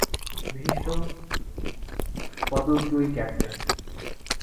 বিশিষ্ট পদকজয়ী ক্যাপ্টেন।